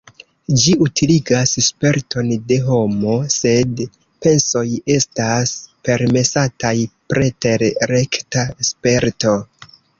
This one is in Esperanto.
Ĝi utiligas sperton de homo, sed pensoj estas permesataj preter rekta sperto.